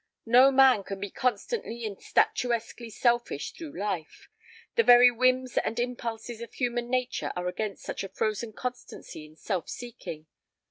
No man can be constantly and statuesquely selfish through life; the very whims and impulses of human nature are against such a frozen constancy in self seeking.